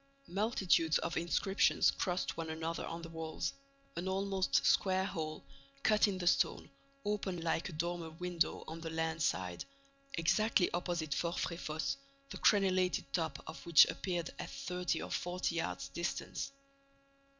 Multitudes of inscriptions crossed one another on the walls. An almost square hole, cut in the stone, opened like a dormer window on the land side, exactly opposite Fort Fréfossé, the crenellated top of which appeared at thirty or forty yards' distance.